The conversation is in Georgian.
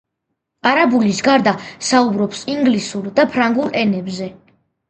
არაბულის გარდა საუბრობს ინგლისურ და ფრანგულ ენებზე.